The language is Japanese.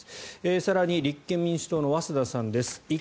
更に立憲民主党の早稲田さんです。